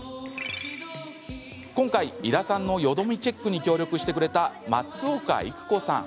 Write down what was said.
今回、井田さんのよどみチェックに協力してくれた松岡育子さん。